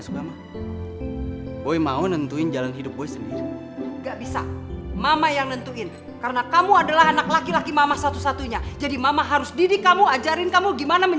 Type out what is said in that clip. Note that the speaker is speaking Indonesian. kenapa tempatnya kayak ginian